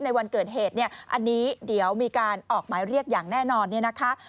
ในวันเกิดเหตุเนี่ยอันนี้เดี๋ยวมีการออกหมายเรียกอย่างแน่นอนเนี่ยนะคะ